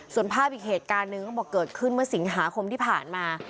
ส่วนภาพอีกเหตุการณ์หนึ่งเขาบอกเกิดขึ้นเมื่อสิงหาคมที่ผ่านมา